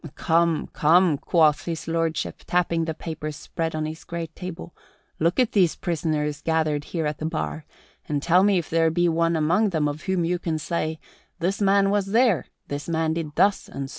"Come, come," quoth His Lordship, tapping the papers spread on his great table, "look at these prisoners gathered here at the bar and tell me if there be one among them of whom you can say, 'This man was there; this man did thus and so.'"